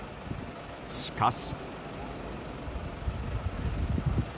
しかし。